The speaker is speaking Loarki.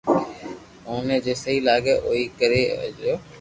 آم ني جي سھي لاگي او ڪري ليو